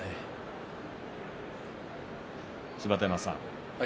芝田山さん